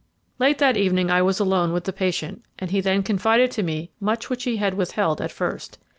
"Late that evening I was alone with the patient, and he then confided to me much which he had withheld at first.